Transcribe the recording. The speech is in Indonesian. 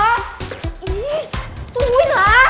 ih tungguin lah